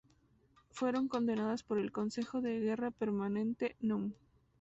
Fueron condenadas por el Consejo de Guerra Permanente núm.